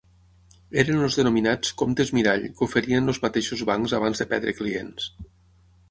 Eren els denominats “comptes mirall” que oferien els mateixos bancs abans de perdre clients.